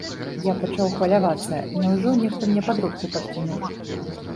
Я пачаў хвалявацца, няўжо нехта мне падробку падкінуў?